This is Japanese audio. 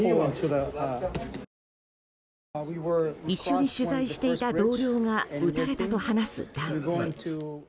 一緒に取材していた同僚が撃たれたと話す男性。